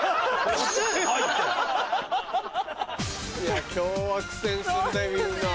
いや今日は苦戦するねみんな。